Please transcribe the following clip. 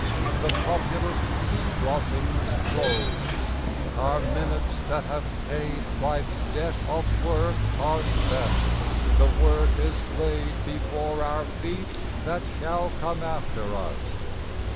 The populous Sea blossoms close, our minutes that have paid Life's debt of work are spent; the work is laid Before our feet that shall come after us.